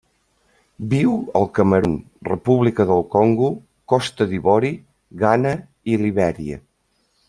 Viu al Camerun, República del Congo, Costa d'Ivori, Ghana i Libèria.